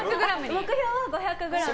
目標５００ｇ？